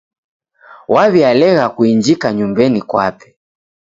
Waw'ialegha kuinjika nyumbenyi kwape.